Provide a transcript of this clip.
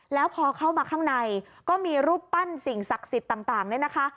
แล้วพอเข้ามาข้างในก็มีรูปปั้นสิ่งศักดิ์สิทธิ์ต่างเนี่ยนะคะ